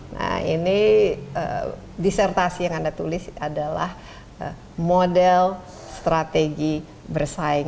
nah ini disertasi yang anda tulis adalah model strategi bersaing